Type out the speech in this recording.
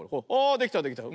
あできたできた。